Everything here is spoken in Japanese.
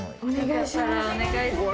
お願いします。